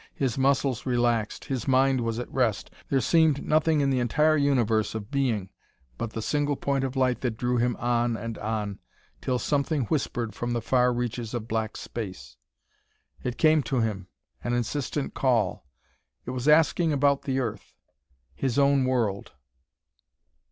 His muscles relaxed; his mind was at rest; there seemed nothing in the entire universe of being but the single point of light that drew him on and on ... till something whispered from the far reaches of black space.... It came to him, an insistent call. It was asking about the earth his own world.